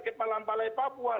kepala balai papua